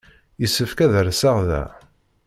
Yessefk ad rseɣ da.